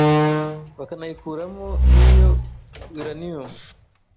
bakanayikuramo n’iyo uranium,